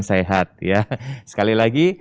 sehat ya sekali lagi